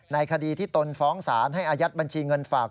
ในคดีที่ตนฟ้องศาลให้อายัดบัญชีเงินฝาก